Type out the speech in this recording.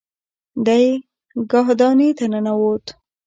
دی کاهدانې ته ننوت.